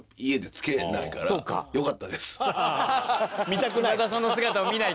見たくない。